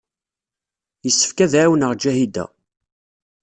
Yessefk ad ɛawneɣ Ǧahida.